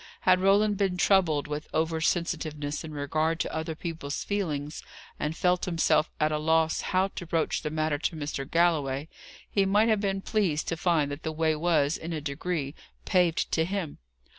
Had Roland been troubled with over sensitiveness in regard to other people's feelings, and felt himself at a loss how to broach the matter to Mr. Galloway, he might have been pleased to find that the way was, in a degree, paved to him.